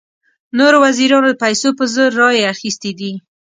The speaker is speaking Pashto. نورو وزیرانو د پیسو په زور رایې اخیستې دي.